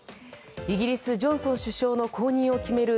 イギリス、ジョンソン首相の後任を決める